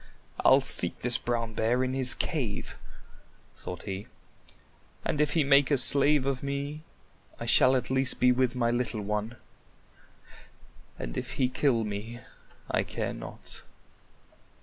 "I'll seek this Brown Bear in his cave," thought he, "and if he make a slave of me, I shall at least be with my little one, and if he kill me, I care not."